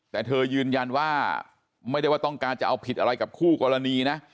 แต่เธอยืนยันว่าไม่ได้ว่าต้องการจะเอาผิดอะไรกับคู่กรณีนะ